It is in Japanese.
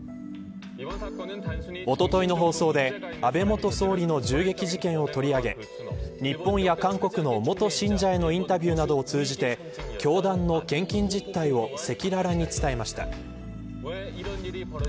おとといの放送で安倍元総理の銃撃事件を取り上げ日本や韓国の元信者へのインタビューなどを通じて教団の献金実態を赤裸々に伝えました。